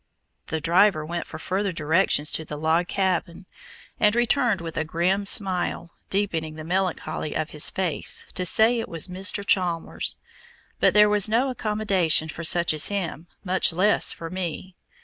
The driver went for further directions to the log cabin, and returned with a grim smile deepening the melancholy of his face to say it was Mr. Chalmers', but there was no accommodation for such as him, much less for me!